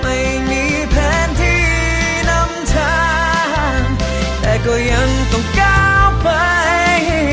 ไม่มีแผนที่นำชาแต่ก็ยังต้องก้าวไป